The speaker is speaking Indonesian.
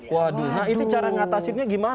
waduh nah itu cara mengatasinya gimana